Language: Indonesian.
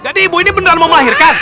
jadi ibu ini beneran mau melahirkan